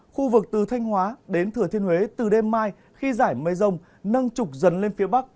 khu vực từ thanh hóa đến thừa thiên huế từ đêm mai khi giải mây rông nâng trục dần lên phía bắc